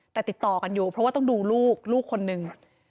แต่ติดต่อกันอยู่เพราะว่าต้องดูลูกลูกคนหนึ่ง